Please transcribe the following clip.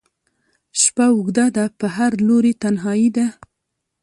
شپه اوږده ده په هر لوري تنهایي ده